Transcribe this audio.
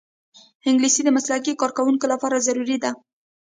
انګلیسي د مسلکي کارکوونکو لپاره ضروري ده